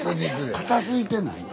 片づいてないの？